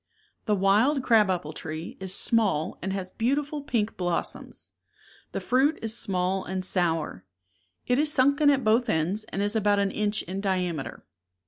The wild crab apple tree is small and has beauti ful pink blossoms. The fruit is small and sour; it is sunken at both ^_. ends, and is about an inch in di ameter.